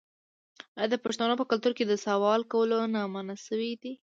آیا د پښتنو په کلتور کې د سوال کولو نه منع شوې نه ده؟